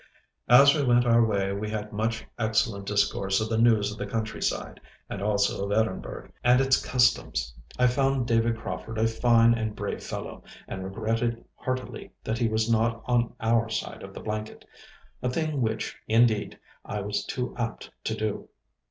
As we went our way we had much excellent discourse of the news of the countryside, and also of Edinburgh and its customs. I found David Crauford a fine and brave fellow, and regretted heartily that he was not on our side of the blanket—a thing which, indeed, I was too apt to do.